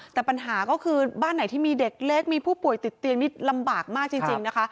แต่ปัญหาก็คือบ้านไหนที่มีเด็กเล็กมีผู้ป่วยติดเตียงนี่ลำบากมากจริงนะคะ